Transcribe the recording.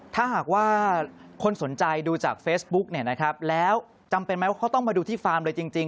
ถ้าหากว่าคนสนใจดูจากเฟซบุ๊กเนี่ยนะครับแล้วจำเป็นไหมว่าเขาต้องมาดูที่ฟาร์มเลยจริง